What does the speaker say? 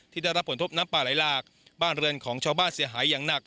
ได้รับผลทบน้ำป่าไหลหลากบ้านเรือนของชาวบ้านเสียหายอย่างหนัก